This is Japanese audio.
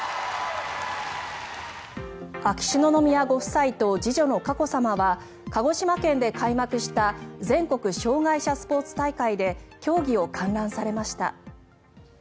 秋篠宮ご夫妻と次女の佳子さまは鹿児島県で開幕した全国障害者スポーツ大会で競技を観覧されました。